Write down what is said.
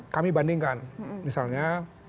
kami bandingkan misalnya